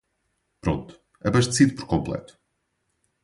Pronto, abastecido por completo.